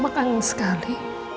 oma kangen sekali